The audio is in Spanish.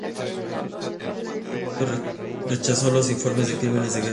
El Gobierno serbio rechazó los informes de crímenes de guerra.